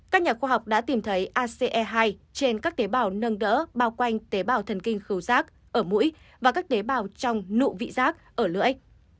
các nhà khoa học đã tìm thấy ace hai trên các tế bào nâng đỡ bao quanh tế bào thần kinh rác ở mũi và các tế bào trong nụ vị giác ở lưỡi